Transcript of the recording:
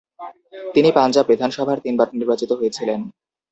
তিনি পাঞ্জাব বিধানসভার তিনবার নির্বাচিত হয়েছিলেন।